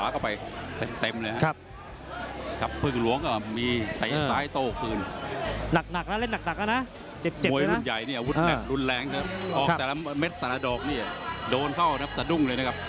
อาวุธแน็ตรุนแรงนะครับออกแต่ละเม็ดสนาดอกนี่โดนเข้าสะดุ้งเลยนะครับ